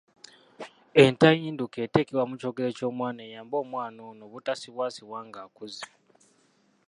Entayinduka eteekebwa mu Kyogero ky’omwana eyambe omwana ono obutasibwasibwa nga akuze.